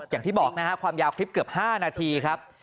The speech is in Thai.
อย่างที่บอกนะฮะความยาวคลิปเกือบ๕นาทีครับ